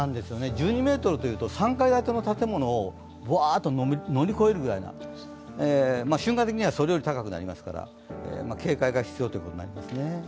１２ｍというと３階建ての建物をわーっと乗り越えるような、瞬間的にはそれより高くなりますから警戒が必要ということになりますね。